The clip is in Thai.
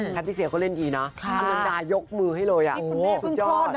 แพทย์เสียเขาเล่นดีเนาะอันนานดายกมือให้เลยอ่ะสุดยอดที่คุณแม่พึ่งพลอดนะ